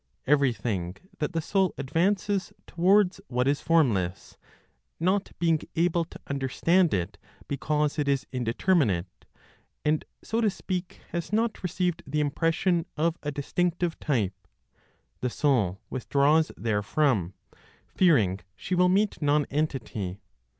Everything that the soul advances towards what is formless, not being able to understand it because it is indeterminate, and so to speak has not received the impression of a distinctive type, the soul withdraws therefrom, fearing she will meet nonentity.